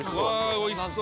おいしそう。